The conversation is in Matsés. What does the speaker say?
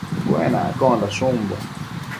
Cuenaccondash umbo